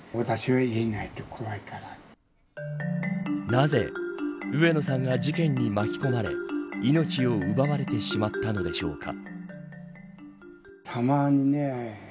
なぜ上野さんが事件に巻き込まれ命を奪われてしまったのでしょうか。